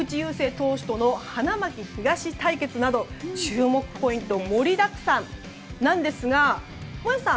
投手との花巻東対決など注目ポイントが盛りだくさんなんですが田中さん